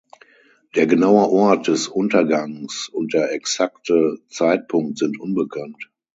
Der genaue Ort des Untergangs und der exakte Zeitpunkt sind unbekannt.